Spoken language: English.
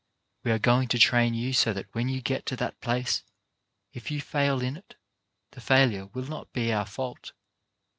We are going to train you so that when you get to that place, if you fail in it, the failure will not be our fault.